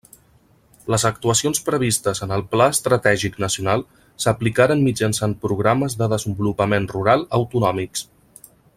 Les actuacions previstes en el Pla Estratègic Nacional s’aplicaren mitjançant Programes de Desenvolupament Rural autonòmics.